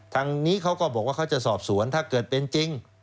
ทางนี้เขาก็บอกว่าเขาจะสอบสวนถ้าเกิดเป็นจริง